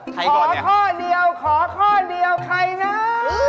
ใครก่อนเนี่ยขอค่อเดี่ยวใครนะ